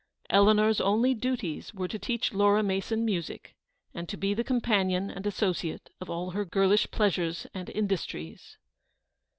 Eleanor's only duties were to teach Laura Mason music, and to be the companion and associate of all her girlish pleasures and industries.